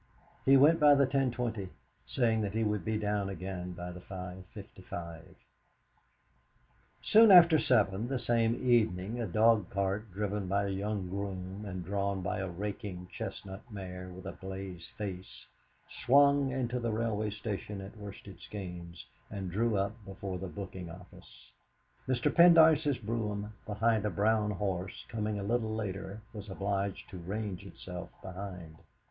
He went by the 10.20, saying that he would be down again by the 5.55 Soon after seven the same evening a dogcart driven by a young groom and drawn by a raking chestnut mare with a blaze face, swung into the railway station at Worsted Skeynes, and drew up before the booking office. Mr. Pendyce's brougham, behind a brown horse, coming a little later, was obliged to range itself behind.